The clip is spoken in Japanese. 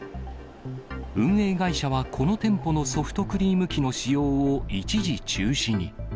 運営会社はこの店舗のソフトクリーム機の使用を一時中止に。